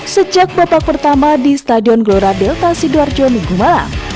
sejak bapak pertama di stadion glorabel tasi duarjo minggu malam